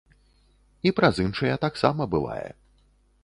І праз іншыя таксама бывае.